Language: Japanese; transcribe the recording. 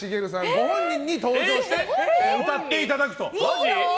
ご本人に登場して歌っていただくと。